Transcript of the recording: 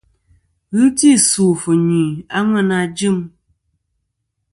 Ghɨ ti sù fɨ̀ nyuy a ŋweyn a jɨm.